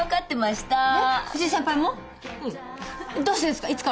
どうしてですか？